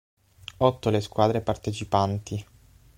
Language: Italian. Otto le squadre partecipanti.